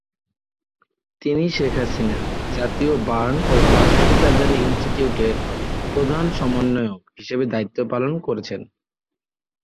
তিনি শেখ হাসিনা জাতীয় বার্ন ও প্লাস্টিক সার্জারি ইনস্টিটিউটের প্রধান সমন্বয়ক হিসেবে দায়িত্ব পালন করছেন।